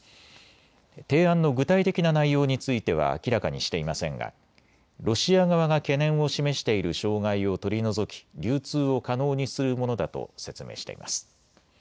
提案の具体的な内容については明らかにしていませんがロシア側が懸念を示している障害を取り除き流通を可能にするものだと説明しています。